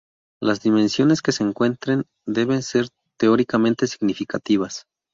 Las dimensiones que se encuentren deben ser teóricamente significativas.